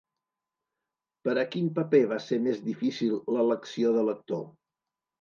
Per a quin paper va ser més difícil l'elecció de l'actor?